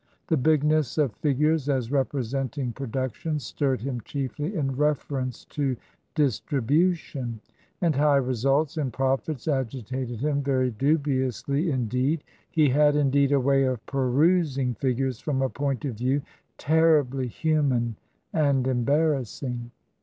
The bigness of figures as representing production stirred him chiefly in reference to distribution, and high results in profits agitated him very dubiously, indeed. He had, indeed, a way of perusing figures from a point of view terribly human and embarrassing.